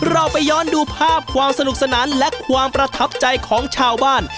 เราไปย้อนดูภาพความสนุกสนานและความประทับใจของชาวบ้าน